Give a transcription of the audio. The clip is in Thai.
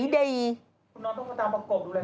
คุณน้องต้องมาตามมากกกดูเลย